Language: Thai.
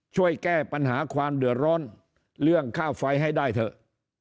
ช่วยแก้ปัญหาความเดือดร้อนเรื่องค่าไฟให้ได้เถอะ